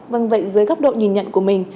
vâng vậy dưới góc độ nhìn nhận của mình